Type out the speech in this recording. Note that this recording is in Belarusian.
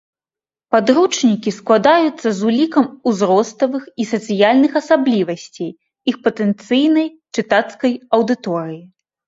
Падручнікі складаюцца з улікам узроставых і сацыяльных асаблівасцей іх патэнцыйнай чытацкай аўдыторыі.